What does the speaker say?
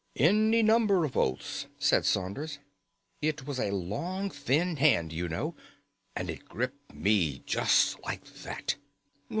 "Any number of oaths," said Saunders. "It was a long thin hand, you know, and it gripped me just like that."